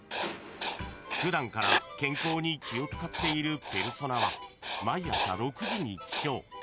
［普段から健康に気を使っているペルソナは毎朝６時に起床］